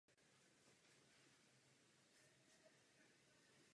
Čeští bojovníci při ní dorazili až k Baltu.